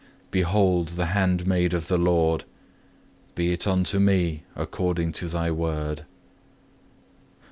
Behold the handmaid of the Lord; be it unto me according to thy word.